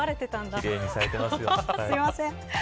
すいません。